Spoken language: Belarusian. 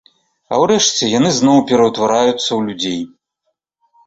А ўрэшце яны зноў ператвараюцца ў людзей.